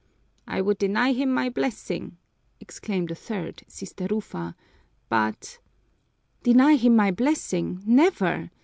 "I would deny him my blessing!" exclaimed a third, Sister Rufa, "but " "Deny him my blessing, never!"